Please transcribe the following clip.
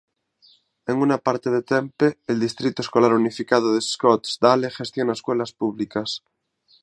En una parte de Tempe, el Distrito Escolar Unificado de Scottsdale gestiona escuelas públicas.